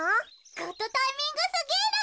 グッドタイミングすぎる。